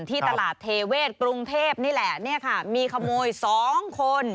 ที่ตลาดเทเวศกรุงเทพนี่แหละเนี่ยค่ะมีขโมย๒คน